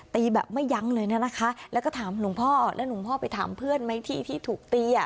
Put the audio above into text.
แบบไม่ยั้งเลยเนี่ยนะคะแล้วก็ถามหลวงพ่อแล้วหลวงพ่อไปถามเพื่อนไหมที่ที่ถูกตีอ่ะ